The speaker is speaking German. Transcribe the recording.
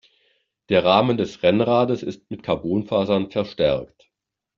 Der Rahmen des Rennrades ist mit Carbonfasern verstärkt.